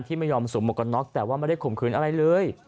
ที่ไม่ยอมสมบัติการน็อคแต่ว่าไม่ได้ข่มขืนอะไรเลย